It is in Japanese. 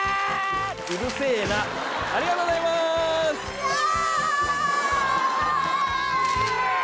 うるせえなありがとうございますわーっ！